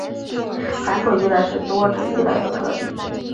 函数依赖是多值依赖的特例。